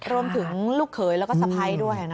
รวมถึงลูกเคยแล้วก็สะพัยด้วยนะครับ